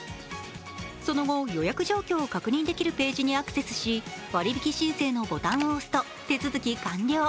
その後、予約状況を確認できるページにアクセスし割引申請のボタンを押すと手続き完了。